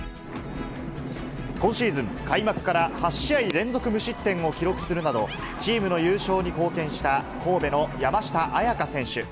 今シーズン、開幕から８試合連続無失点を記録するなど、チームの優勝に貢献した神戸の山下杏也加選手。